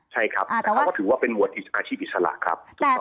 ใช่ครับแต่เขาก็ถือว่าเป็นหมวดอาชีพอิสระครับ